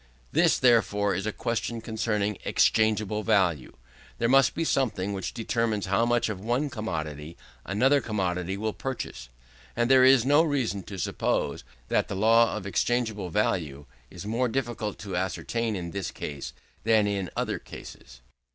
This, therefore, is a question concerning exchangeable value. There must be something which determines how much of one commodity another commodity will purchase; and there is no reason to suppose that the law of exchangeable value is more difficult of ascertainment in this case than in other cases.